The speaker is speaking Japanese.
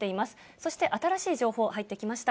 そして新しい情報、入ってきました。